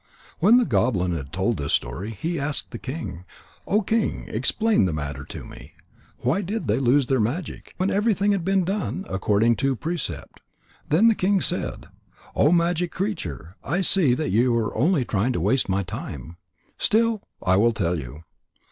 When the goblin had told this story, he asked the king: "O King, explain the matter to me. Why did they lose their magic, when everything had been done according to precept?" Then the king said: "O magic creature, I see that you are only trying to waste my time. Still, I will tell you.